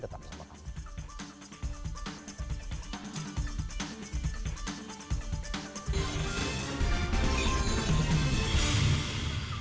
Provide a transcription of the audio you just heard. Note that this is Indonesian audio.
tetap bersama kami